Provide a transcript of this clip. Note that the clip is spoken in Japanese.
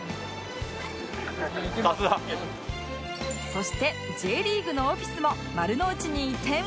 そして Ｊ リーグのオフィスも丸の内に移転